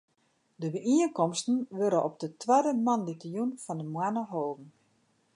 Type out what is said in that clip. De byienkomsten wurde op de twadde moandeitejûn fan de moanne holden.